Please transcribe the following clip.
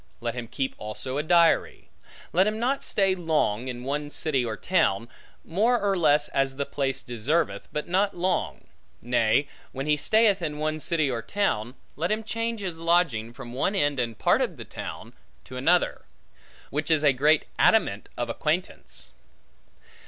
Let him keep also a diary. Let him not stay long, in one city or town; more or less as the place deserveth, but not long; nay, when he stayeth in one city or town, let him change his lodging from one end and part of the town, to another; which is a great adamant of acquaintance.